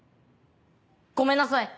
ごめんなさい！